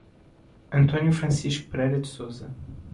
Antônio Francisco Pereira de Sousa